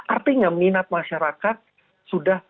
artinya minat masyarakat sudah